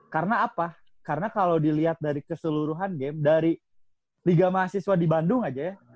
karena apa karena kalau dilihat dari keseluruhan game dari liga mahasiswa di bandung aja ya